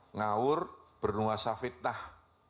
ngawur bernuasa fitnah